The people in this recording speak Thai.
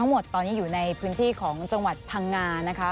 หมดตอนนี้อยู่ในพื้นที่ของจังหวัดพังงานะคะ